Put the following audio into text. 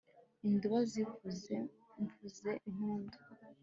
Induba nzivuze mvuze impundu